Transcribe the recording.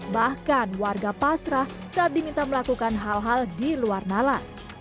bahkan warga pasrah saat diminta melakukan hal hal di luar nalar